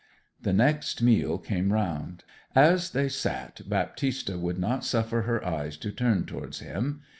The next meal came round. As they sat, Baptista would not suffer her eyes to turn towards him.